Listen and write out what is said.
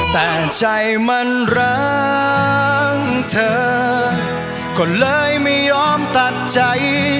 แต่ใจมันร้างเธอก็เลยไม่ยอมตัดใจ